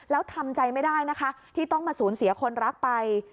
แล้วทำใจไม่ได้นะคะที่ต้องมาสูญเสียคนรักไป